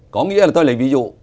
có nghĩa là tôi lấy ví dụ